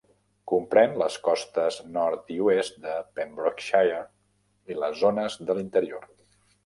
Comprèn les costes nord i oest de Pembrokeshire i les zones de l'interior.